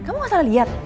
kamu gak salah liat